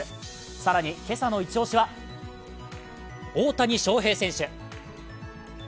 更に今朝のイチ押しは大谷翔平選手。